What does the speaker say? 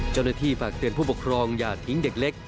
เจ้าหน้าที่ฝากเตือนผู้ปกครองอย่าทิ้งเด็กเล็ก